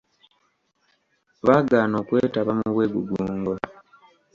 Baagana okwetaba mu bwegugungo.